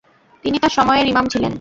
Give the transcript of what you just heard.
তিনি তাঁর সময়ের ইমাম ছিলেন"।